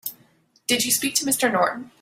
Did you speak to Mr. Norton?